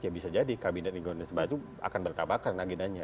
ya bisa jadi kabinet indonesia maju akan bertabakan agendanya